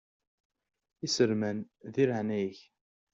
Iselman, di leɛnaya-k.